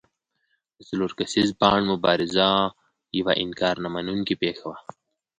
د څلور کسیز بانډ مبارزه یوه انکار نه منونکې پېښه وه.